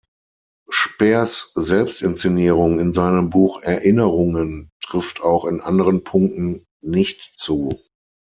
Speers Selbstinszenierung in seinem Buch "Erinnerungen" trifft auch in anderen Punkten nicht zu.